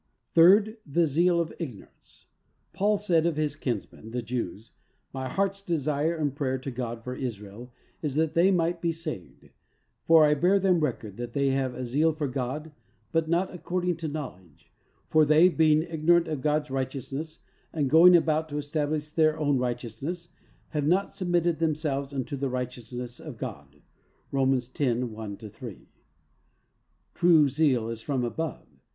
Third: The zeal of ignorance. Paul said of his kinsmen, the Jews, "My heart's desire and prayer to God for Israel is that they might be saved, for I bear them record that they have a zeal for God but not ac cording to knowledge, for they, being ignor ant of God's righteousness and going about to establish their own righteousness, have ZEAL. 31 not submitted themselves unto the righteous ness of God." (Romans lo: 1 3.) True zeal is from above.